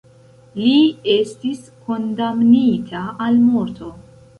Li estis kondamnita al morto.